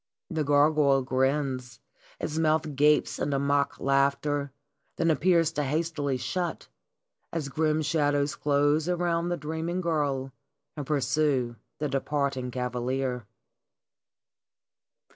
The gargoyle grins, its mouth gapes into mock laughter, then appears to hastily shut, as grim shadows close around the dreaming girl and pursue the departing cavalier.